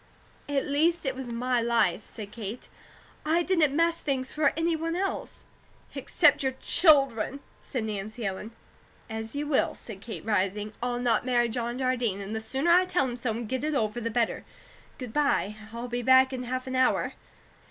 "At least it was my life," said Kate. "I didn't mess things for any one else." "Except your children," said Nancy Ellen. "As you will," said Kate, rising. "I'll not marry John Jardine; and the sooner I tell him so and get it over, the better. Good bye. I'll be back in half an hour."